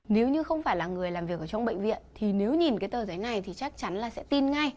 nếu như không phải là người làm việc ở trong bệnh viện thì nếu nhìn cái tờ giấy này thì chắc chắn là sẽ tin ngay